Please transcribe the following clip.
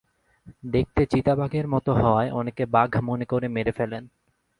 দেখতে চিতা বাঘের মতো হওয়ায় অনেকে বাঘ মনে করে মেরে ফেলেন।